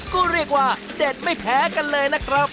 ก็เรียกว่าเด็ดไม่แพ้กันเลยนะครับ